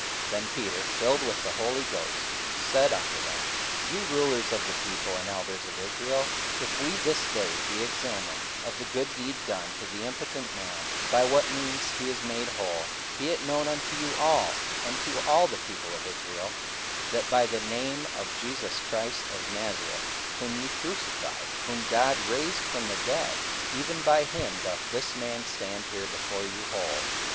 44:004:008 Then Peter, filled with the Holy Ghost, said unto them, Ye rulers of the people, and elders of Israel, 44:004:009 If we this day be examined of the good deed done to the impotent man, by what means he is made whole; 44:004:010 Be it known unto you all, and to all the people of Israel, that by the name of Jesus Christ of Nazareth, whom ye crucified, whom God raised from the dead, even by him doth this man stand here before you whole.